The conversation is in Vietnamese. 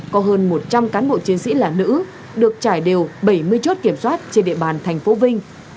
có hơn một trăm linh cán bộ chiến sĩ là nữ được trải đều bảy mươi chốt kiểm soát trên địa bàn thành phố vinh